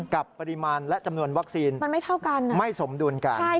กับปริมาณและจำนวนวัคซีนไม่สมดุลกัน